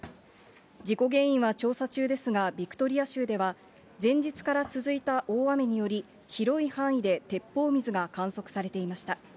事故原因は調査中ですが、ビクトリア州では、前日から続いた大雨により、広い範囲で鉄砲水が観測されていました。